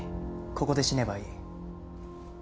ここで死ねばいい。